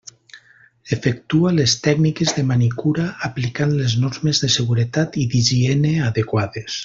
Efectua les tècniques de manicura aplicant les normes de seguretat i d'higiene adequades.